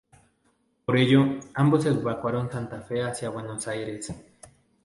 Por ello, ambos evacuaron Santa Fe hacia Buenos Aires.